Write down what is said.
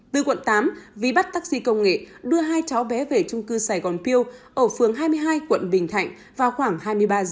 từ quận tám vi bắt taxi công nghệ đưa hai cháu bé về chung cư sài gòn pew ở phương hai mươi hai quận bình thạnh vào khoảng hai mươi ba h